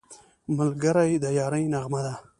ملګری د یارۍ نغمه ده